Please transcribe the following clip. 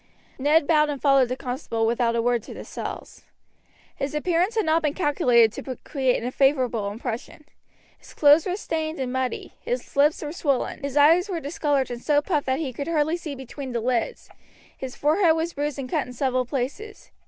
Ned bowed and followed the constable without a word to the cells. His appearance had not been calculated to create a favorable impression. His clothes were stained and muddy; his lips were swollen, his eyes were discolored and so puffed that he could scarcely see between the lids, his forehead was bruised and cut in several places.